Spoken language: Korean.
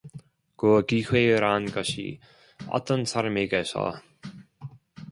그 기회란 것이 어떤 사람에게서